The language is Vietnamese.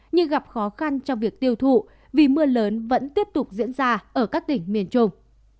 như gặp khó khăn trong việc tiêu thụ vì mưa lớn vẫn tiếp tục diễn ra ở các tỉnh miền trung